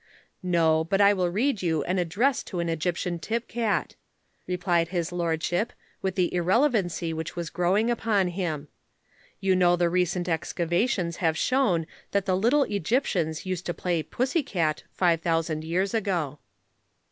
"No, but I will read you an Address to an Egyptian Tipcat," replied his lordship, with the irrelevancy which was growing upon him. "You know the recent excavations have shown that the little Egyptians used to play 'pussy cat' five thousand years ago."